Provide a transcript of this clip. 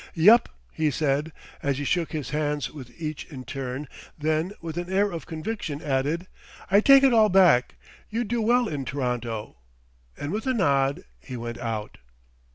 "Yep!" he said, as he shook hands with each in turn, then with an air of conviction added: "I take it all back. You'd do well in T'ronto:" and with a nod he went out.